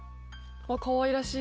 あっかわいらしい。